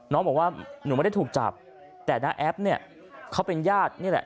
น้องบอกว่าหนูไม่ได้ถูกจับแต่น้าแอปเนี่ยเขาเป็นญาตินี่แหละ